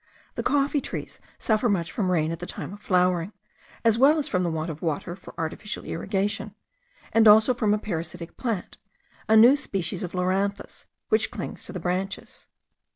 The coffee trees suffer much from rain at the time of flowering, as well as from the want of water for artificial irrigation, and also from a parasitic plant, a new species of loranthus, which clings to the branches.